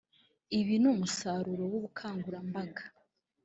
Ibi ni umusaruro w’ubukangurambaga